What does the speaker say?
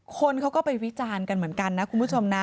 คนเขาก็ไปวิจารณ์กันเหมือนกันนะคุณผู้ชมนะ